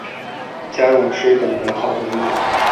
嘉永是日本的年号之一。